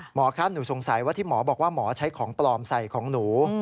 หมอคะหนูสงสัยว่าที่หมอบอกว่าหมอใช้ของปลอมใส่ของหนู